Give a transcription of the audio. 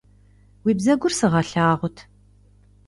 Уи бзэгур сыгъэлъагъут.